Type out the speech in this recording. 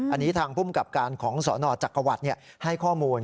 อันนี้ทางภูมิกับการของสนจักรวรรดิให้ข้อมูล